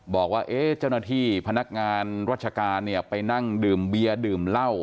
บอกว่าเจ้าหน้าที่พนักงานราชการเนี่ยไปนั่งดื่มเบียร์ดื่มเหล้า